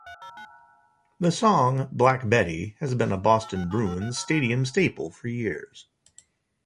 The song "Black Betty" has been a Boston Bruins stadium staple for years.